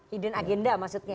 hidden agenda maksudnya